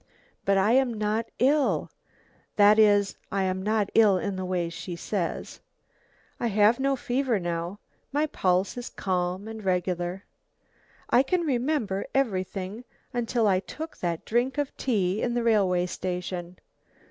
But I am not ill, that is I am not ill in the way she says. I have no fever now, my pulse is calm and regular. I can remember everything, until I took that drink of tea in the railway station.